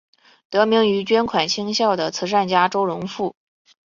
得名于捐款兴校的慈善家周荣富。